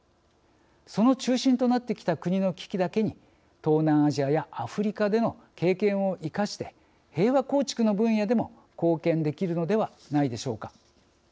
その中心となってきた国の危機だけに東南アジアやアフリカでの経験を生かして平和構築の分野でも貢献できるのではないでしょうか。